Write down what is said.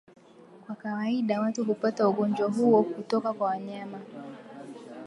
Kwa kawaida watu hupata ugonjwa huo kutoka kwa wanyama.